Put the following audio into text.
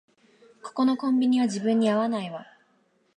ここのコンビニは自分には合わないわ